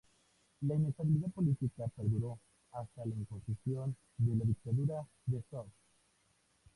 La inestabilidad política perduró hasta la imposición de la dictadura de Zog.